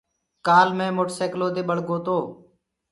ڪآل مي موٽر سيڪلو دي ٻݪ گو تو۔